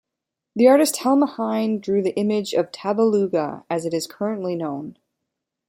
The artist Helme Heine drew the image of Tabaluga as it is currently known.